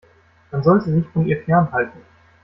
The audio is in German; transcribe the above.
Man sollte sich von ihr fernhalten.